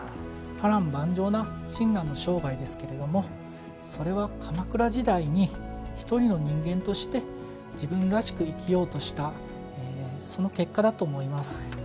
波乱万丈な親鸞の生涯ですけれども、それは鎌倉時代に一人の人間として自分らしく生きようとしたその結果だと思います。